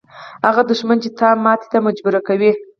هغه دښمن چې تا ماتې ته مجبوره کوي.